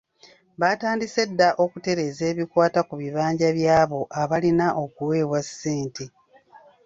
Baatandise dda okutereeza ebikwata ku bibinja by'abo abalina okuweebwa ssente.